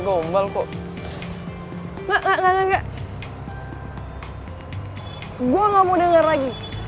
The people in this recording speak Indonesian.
gue ga mau denger lagi